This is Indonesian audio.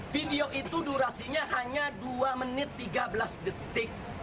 video itu durasinya hanya dua menit tiga belas detik